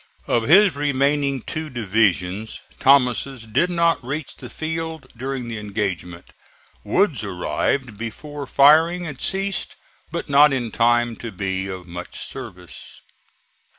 Of his remaining two divisions, Thomas's did not reach the field during the engagement; Wood's arrived before firing had ceased, but not in time to be of much service.